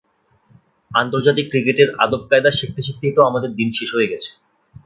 আন্তর্জাতিক ক্রিকেটের আদব-কায়দা শিখতে শিখতেই তো আমাদের দিন শেষ হয়ে গেছে।